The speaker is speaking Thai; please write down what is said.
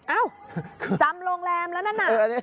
เอ้าจำโรงแรมแล้วนั่นน่ะ